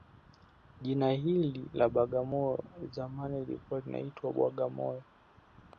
Jina hili la bagamoyo zamani lilikuwa linaitwa Bwagamoyo